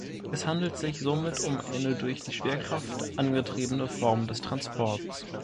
Es handelt sich somit um eine durch die Schwerkraft angetriebene Form des Transports.